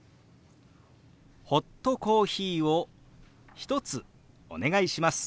「ホットコーヒーを１つお願いします」。